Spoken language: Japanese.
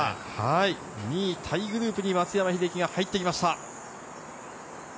２位タイグループに松山英樹が入ってきました。